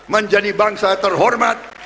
menjadi bangsa terhormat